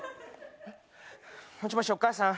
もしもしお母さん？